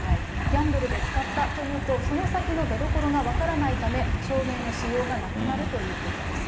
ギャンブルで使ったというと、その先の出どころが分からないため、証明のしようがなくなるということです。